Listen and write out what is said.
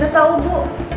gak tau bu